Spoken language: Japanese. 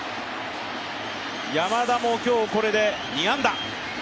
山田も今日、これで２安打。